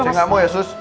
saya gak mau ya sus